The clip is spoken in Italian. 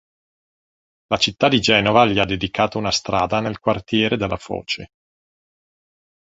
La città di Genova gli ha dedicato una strada nel quartiere della Foce.